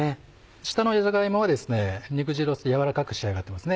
下のじゃが芋は肉汁を吸って軟らかく仕上がってますね。